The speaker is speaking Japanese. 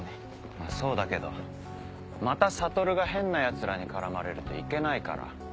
まぁそうだけどまた悟が変なヤツらに絡まれるといけないから。